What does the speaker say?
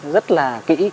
rất là kỹ